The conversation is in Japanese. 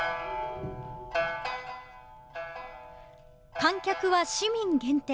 観客は市民限定。